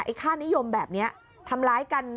ค่านิยมแบบนี้ทำร้ายกัน